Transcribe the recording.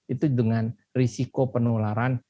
itu dengan risiko penularan